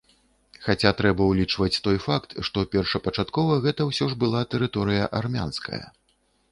Хаця трэба ўлічваць той факт, што першапачаткова гэта ўсё ж была тэрыторыя армянская.